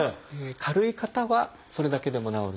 軽い方はそれだけでも治る。